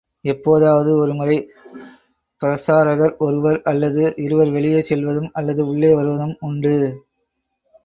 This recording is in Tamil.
எப்போதாவது ஒருமுறை பிரசாரகர் ஒருவர் அல்லது இருவர் வெளியே செல்வதும் அல்லது உள்ளே வருவதும் உண்டு.